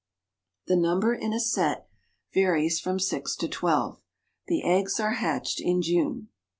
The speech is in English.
The number in a set varies from six to twelve. The eggs are hatched in June.